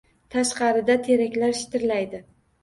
Tashqarida teraklar shitirlaydi.